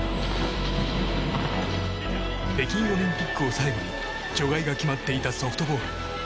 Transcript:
北京オリンピックを最後に除外が決まっていたソフトボール。